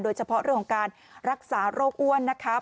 โดยเฉพาะเรื่องของการรักษาโรคอ้วนนะคะ